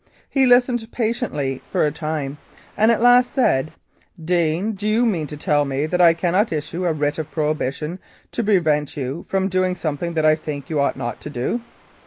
He listened patiently for a time, and at last said, "Deane, do you mean to tell me that I cannot issue a Writ of Prohibition to prevent you from doing something that I think you ought not to do?"